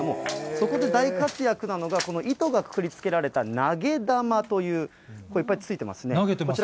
そこで大活躍なのが、この糸がくくりつけられた投げ玉という、いっぱいついてますね。